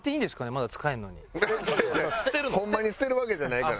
違う違うホンマに捨てるわけじゃないから。